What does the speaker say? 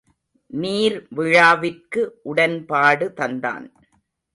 நீர்விழாவிற்கு உடன்பாடு தந்தான்.